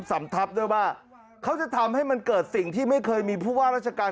สำทับด้วยว่าเขาจะทำให้มันเกิดสิ่งที่ไม่เคยมีผู้ว่าราชการ